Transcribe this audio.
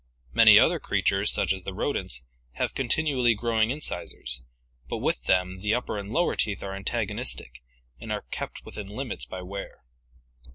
Many other creatures, such as the rodents, have continually growing incisors, but with them the upper and lower teeth are antagonistic and are kept within limits by wear.